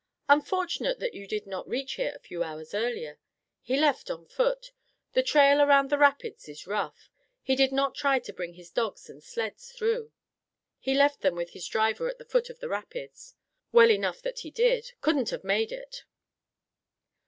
Unfortunate that you did not reach here a few hours earlier. He left on foot. The trail around the rapids is rough. He did not try to bring his dogs and sleds through. Left them with his driver at the foot of the rapids. Well enough that he did. Couldn't have made it."